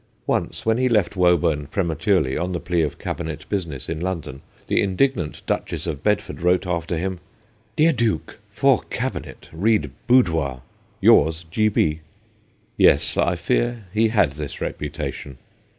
Once, when he left Woburn prematurely, on the plea of Cabinet business in London, the indignant Duchess of Bed ford wrote after him :' Dear Duke, For Cabinet read boudoir. Yours, G. B.' Yes ; I fear he had this reputation.